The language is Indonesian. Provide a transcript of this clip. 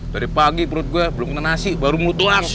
dari pagi perut gue belum kena nasi baru mulu tulang